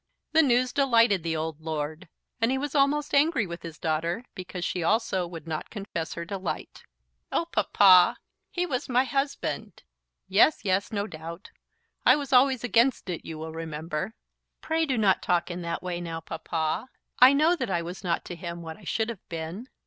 The news delighted the old Lord, and he was almost angry with his daughter because she also would not confess her delight. "Oh, Papa, he was my husband." "Yes, yes, no doubt. I was always against it, you will remember." "Pray do not talk in that way now, Papa. I know that I was not to him what I should have been."